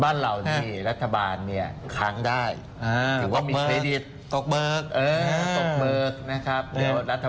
แต่แบบบ้านไม่เหมือนบ้านเรานะ